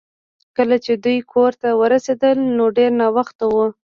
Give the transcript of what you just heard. کله چې دوی کور ته ورسیدل نو ډیر ناوخته و